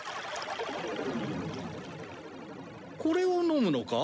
これを飲むのか？